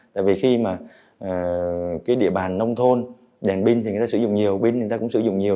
tại vì khi mà cái địa bàn nông thôn đèn pin thì người ta sử dụng nhiều pin thì người ta cũng sử dụng nhiều